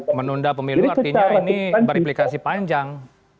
kalau menunda pemilu artinya ini verifikasi panjang